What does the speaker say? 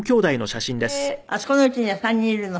あそこのうちには３人いるの？